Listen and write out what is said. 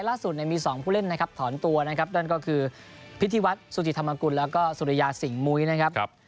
ล่าสุดมี๒ผู้เล่นนะครับถอนตัวนะครับนั่นก็คือพิธีวัฒน์สุจิตธรรมกุลแล้วก็สุริยาสิงหมุ้ยนะครับ